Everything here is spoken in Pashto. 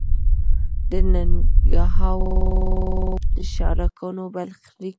د نهنګانو او شارکانو برخلیک هم په خطر کې دی.